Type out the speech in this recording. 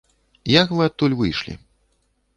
Як вы адтуль выйшлі?